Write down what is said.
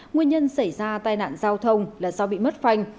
nguyên nhân xảy ra tai nạn giao thông là do bị mất phanh